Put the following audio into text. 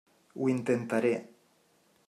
Ho intentaré.